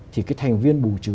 thì cái thành viên bù trừ